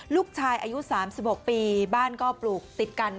ลูกชายอายุ๓๖ปีบ้านก็ปลูกติดกัน